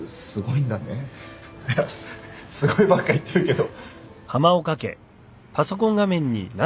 いや「すごい」ばっか言ってるけど。